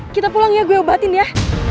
kita pulang ya gue batin ya